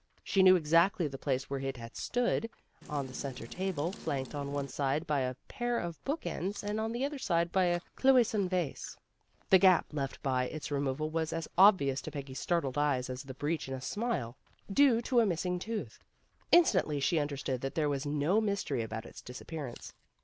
She knew exactly the place where it had stood on the center table, flanked on one side by a pair of book ends, and on the other by a cloi sonne vase. The gap left by its removal was as obvious to Peggy's startled eyes as the breach in a smile, due to a missing tooth. In stantly she understood that there was no mystery about its disappearance.